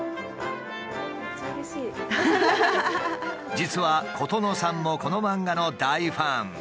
実は琴乃さんもこの漫画の大ファン。